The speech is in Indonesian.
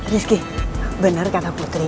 rizky bener kata putri